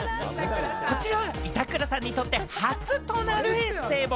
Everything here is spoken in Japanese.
こちらは板倉さんにとって初となるエッセー本。